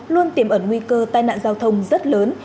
luôn tiềm ẩn nguy cơ tai nạn giao thông rất lớn